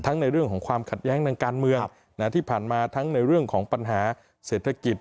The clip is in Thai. ในเรื่องของความขัดแย้งทางการเมืองที่ผ่านมาทั้งในเรื่องของปัญหาเศรษฐกิจ